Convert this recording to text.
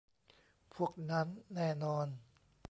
พวกนั้นแน่นอน